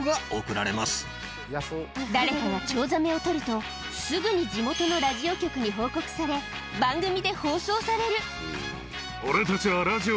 誰かがチョウザメを捕るとすぐに地元のラジオ局に報告されって分かるんだ。